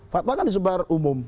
fatwa kan disebar umum